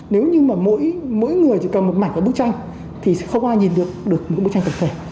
nếu như mà mỗi người chỉ cần một mảnh của bức tranh thì sẽ không ai nhìn được được một bức tranh thổng thể